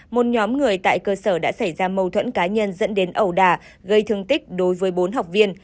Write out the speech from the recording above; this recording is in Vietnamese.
một nhóm người tại cơ sở đã xảy ra mâu thuẫn cá nhân dẫn đến ẩu đà gây thương tích đối với bốn học viên